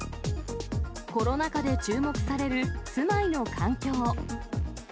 コロナ禍で注目される住まいの環境。